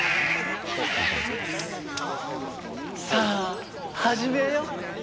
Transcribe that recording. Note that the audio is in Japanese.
さあ始めよう。